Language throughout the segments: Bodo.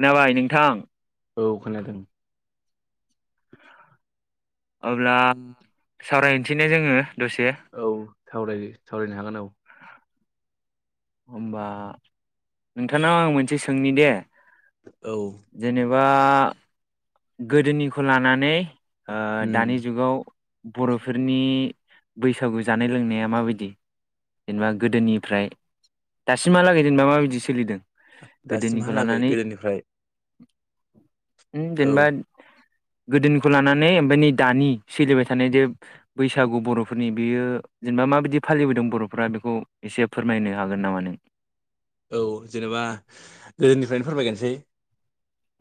खोनाबाय नोंथां औ खोनादों। अब्ला सावरायनोसैने जोङो दसे। औ सावराय-सावरायनो हागोन औ होमबा नोंथांनाव आं मोनसे सोंनि दे। औ। जेनेबा -गोदोनिखौ लानानै। ओ- उम दानि जुगाव बर'फोरनि बैसागु जानाय लोंनाया माबायदि। जेनेबा गोदोनिफ्राय दासिमहालागै जेनेबा माबायदि सोलिदों। गोदोनिखौ दासिमहालागै लानानै गोदोनिफ्राय औ -जेनेबा। गोदोनिखौ लानानै ओमफफ्राय नै दानि सोलिबाय थानाय दो। बैसागु बर'फोरनि बियो जेनेबा माबायदि फालिबोदों बर'फ। फोर्रा बेखौ एसे फोरमायनो हागोन नामा नों। औ जेनेबा गोदोनिफ्रायनो फोरमायगोनसै।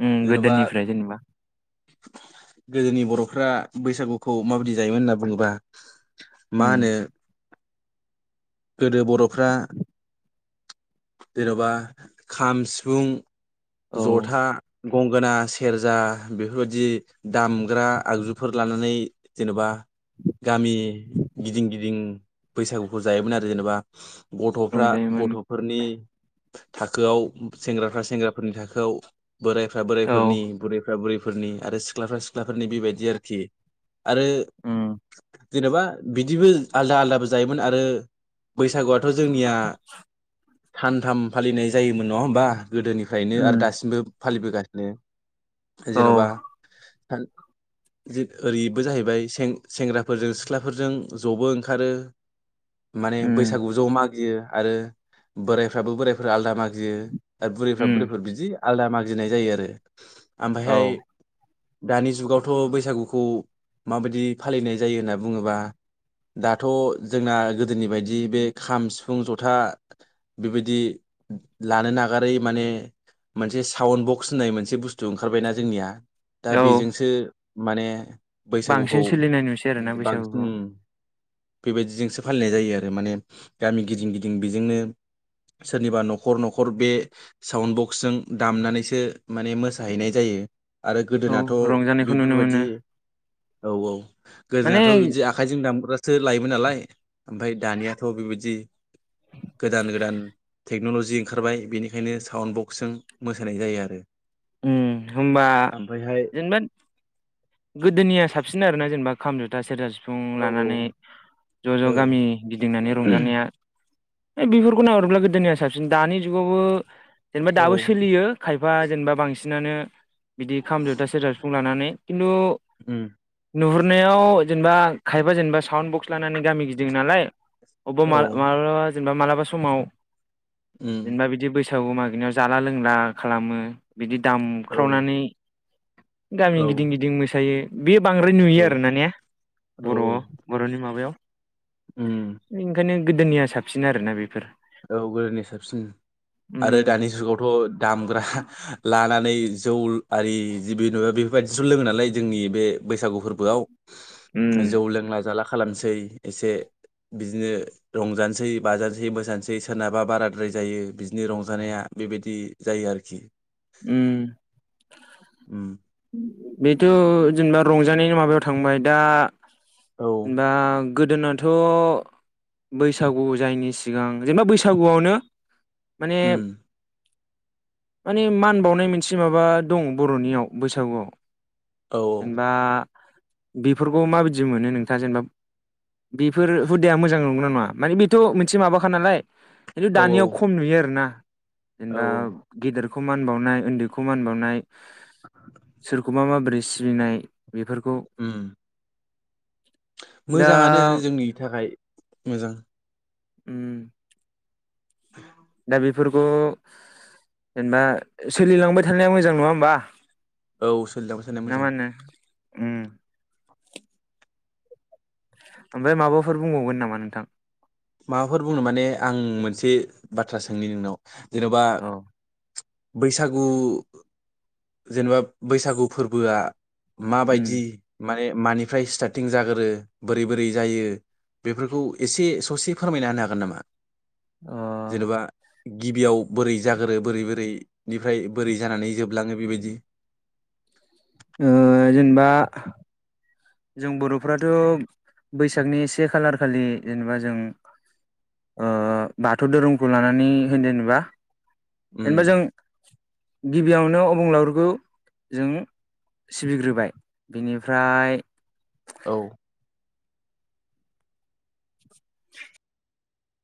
उ जेन'बा गोदोनिफ्राय जेनेबा। गोदोनि बर'फ्रा बैसागुखौ माबायदि जायोमोन होनना बुङोबा। मा उम होनो -गोदो बर'फ्रा। जेन'बा खाम सिफुं औ -जथा। गंगोना सेरजा बेफोरबायदि दामग्रा आगजुफोर लानानै। जेनेबा गामि गिदिं गिदिं बैसागुखौ जायोमोन आरो जेनेबा। गथ'फ्रा रंजायोमोन गथ'। फोरनि थाखोआव सेंग्राफ्रा सेंग्राफोरनि थाखोआव बोरायफ्रा औ बोरायफोरनि बुरैफ्रा बुरैफोरनि आरो सिख्लाफ्रा सिख्लाफोरनि बेबायदि आरोखि। आरो उम जेनेबा बिदिबो आलदा आलदाबो जायोमोन आरो। बैसागुआथ' जोंनिया। सानथाम फालिनाय जायोमोन नङा होमबा गोदोनिफ्रायनो आरो उम दासिमबो फालिबोगासिनो। औ जेन'बा। ओरैबो जाहैबाय सें-सेंग्राफोरजों सिख्लाफोरजों ज'बो ओंखारो। माने उम बैसागु ज' मागियो आरो बोराइफ्राबो बोराइफोर आलादा मागियो। बुरैफ्रा उम बुरैफोर बिदि आलदा मागिनाय जायो आरो आमफाय। औ दानि जुगावथ' बैसागुखौ माबायदि फालिनाय जायो होनना बुङोबा। दाथ' जोंना गोदोनि बायदि बे खाम सिफुं जथा। बेबायदि लानो नागारै माने। मोनसे साउन्ड बक्स होननाय मोनसे बुस्थु ओंखारबायना जोंनिया। दा औ बेजोंसो माने बैसागुखौ बांसिन सोलिनाय नुसै आरोना बांसिन। बैसागुखौ बेबायदिजोंसो फालिनाय जायो आरो माने गामि गिदिं गिदिं बेजोंनो। सोरनिबा न'खर न'खर बे। साउन्ड बक्सजों दामनानैसो माने मोसाहैनाय जायो। आरो औ गोदोनाथ' रंजानायखौ नुनो मोनो बेफोरबायदि -औ औ माने गोदोनाथ' बिदि आ। आखाइजों दामग्रासो लायोम नालाय ओमफ्राय दानियाथ' बेबायदि। गोदान गोदान टेक्न'लजि ओंखारबाय बेनिखायनो साउन्ड बक्सजों मोसानाय जायो आरो। होनबा ओमफ्रायहाय जेनेबा गोदोनिया साबसिन आर ना जेनेबा खाम जुथा सेरजा सिफुं औ लानानै ज' ज' औ गामि गिदिंनानै रंजानाया है बेफोरखौ ननायाहरोब्ला गोदोनिया साबसिन दानि जुगावबो जेनेबा औ दाबो सोलियो खायफा जेनेबा बांसिनानो बिदि खाम जथा सेरजा सिफुं लानानै खिन्थु उम नुहुरनायाव जेनेबा खायफा जेनेबा साउड बक्स लानानै गामि गिदिं नालाय अबबा औ माबा जेनेबा मालाबा समाव उम जेनेबा बिदि बैस थिसाव मागिनायाव जाला लोंला खालामो बिदि औ दामख्रावनानै गामि औ गिदिं गिदिं मोसायो बे बांद्राय नुयो औ आर न नेया औ बर' बर'नि माबायाव उम ओंखायनो गोदोनिया साबसिन आरोना बेफोर औ गोदोनि साबसिन आरो उम दानि जुगावथ' दामग्रा लानानै जौ आरि जि ना बेफोरबायदिस' लोङो नालाय जोंनि बे बैसागु फोरबोआव उम जौ लोंला जाला खालामसै एसे बिदिनो रंजानोसै बाजानोसै मोसानोसै जै सोरनाबा बाराद्राय जायो बिदिनि रंजानाया बेबायदि जायो आरोखि उम उ बेथ' जेनेबा रंजानायनि माबायाव थांबाय दा औ जेनेबा गोदोनाथ' बैसागु जायैनि सिगां जेनेबा बैसागुआवनो माने उम माने मान बावनाय मोनसे माबा दं बर'नियाव बैसागुआव औ जेनेबा बेफोरखौ माबायदि मोनो नोंथाङा जेनेबा बेफोर हुदाया मोजां नंगौना नङा माने बेथ' मोनसे माबाख नालाय खिन्थु औ दानियाव खम नुयो आर ना औ जेनेबा गेदेर खौ मान बावनाय उन्दैखौ मान बावनाय सोरखौ मा माबोरै सिबिनाय बेफोरखौ उम दा मोजाङानो जोंनि थाखाय मोजां ओम [inaudible] दा बेफोरखौ जेनेबा सोलिलांबाय थानाया मोजां नङा हबा औ सोलिनायबा सोनाया मोजां ओम ओमफ्राय माबाफोर बुंबावगोन नामा नोंथां माबाफोर बुंनो माने आं मोनसे बाथ्रा सोंनि नोंनाव जेन'बा औ बैसागु जेनेबा बैसागु फोरबोआ उम माबायदि माने मानिफ्राय स्टार्टिं जागोरो बोरै बोरै जायो बेफोरखौ एसे ससे फोरमायना होनो हागोन नामा अ जेनेबा गिबियाव बोरै जागोरो बोरै बोरैनिफ्राय बोरै जानानै जोबलाङो बेबायदि जेनेबा जों बर'फ्राथ' बैसागनिसे खालार खालि जेनेबा जों बाथौ धोरोमखौ लानानै होनदों जेबा उम जेनेबा जों गिबियावनो अबुंलावरखौ जों सिबिग्रोबाय बिनिफ्राय औ [inaudible]